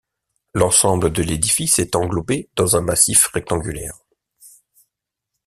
L'ensemble de l'édifice est englobé dans un massif rectangulaire.